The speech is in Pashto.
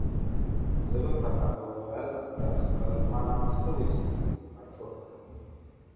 زه به په هغه ورځ دا خپل مات سوی زړه راټول کړم_